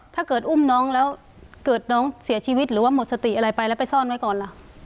ถ้าเกิดอุ้มน้องแล้วเกิดน้องเสียชีวิตหรือว่าหมดสติอะไรไปแล้วไปซ่อนไว้ก่อนล่ะ